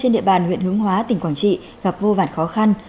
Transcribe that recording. trên địa bàn huyện hướng hóa tỉnh quảng trị gặp vô vản khó khăn